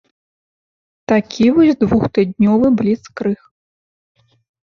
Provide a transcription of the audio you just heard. Такі вось двухтыднёвы бліцкрыг.